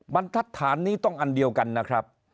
บรรทัศน์นี้ต้องอันเดียวกันนะครับ